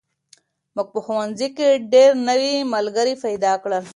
موږ په ښوونځي کې ډېر نوي ملګري پیدا کړل.